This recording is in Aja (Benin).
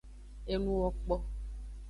Enuwokpo.